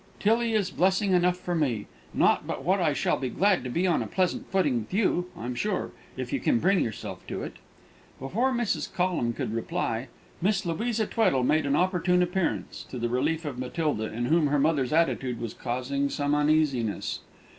"Tillie is blessing enough for me not but what I shall be glad to be on a pleasant footing with you, I'm sure, if you can bring yourself to it." Before Mrs. Collum could reply, Miss Louisa Tweddle made an opportune appearance, to the relief of Matilda, in whom her mother's attitude was causing some uneasiness.